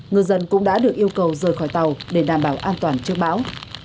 ngư dân cũng đã được yêu cầu rời khỏi tàu để đảm bảo an toàn trước bão